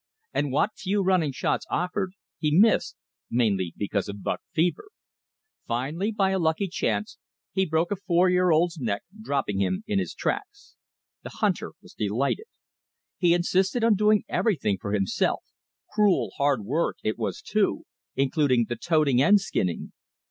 And what few running shots offered, he missed, mainly because of buck fever. Finally, by a lucky chance, he broke a four year old's neck, dropping him in his tracks. The hunter was delighted. He insisted on doing everything for himself cruel hard work it was too including the toting and skinning.